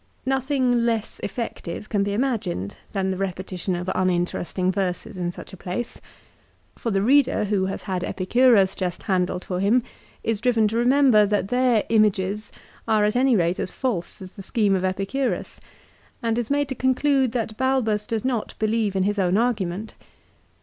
Nothing less effective can be imagined than the repetition of uninteresting verses in such a place. For the reader, who has had Epicurus just handled for him, is driven to re member that their images are at any rate as false as the scheme of Epicurus, and is made to conclude that Balbus does not believe in his own argument.